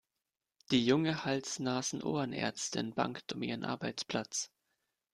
Die junge Hals-Nasen-Ohren-Ärztin bangt um ihren Arbeitsplatz.